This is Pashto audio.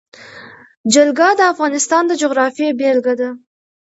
جلګه د افغانستان د جغرافیې بېلګه ده.